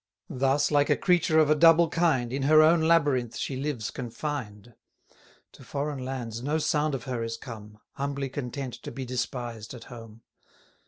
Thus, like a creature of a double kind, In her own labyrinth she lives confined. To foreign lands no sound of her is come, Humbly content to be despised at home.